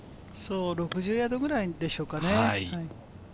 ６０ヤードくらいでしょうかね。